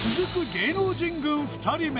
芸能人軍２人目